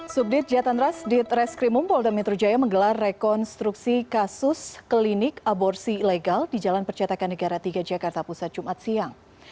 subdit jatandras ditreskrimumpol dan metro jaya menggelar rekonstruksi kasus klinik aborsi ilegal di jalan percetakan negara tiga jakarta pusat jumat siang